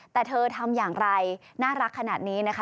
แต่เธอทำอย่างไรน่ารักขนาดนี้นะคะ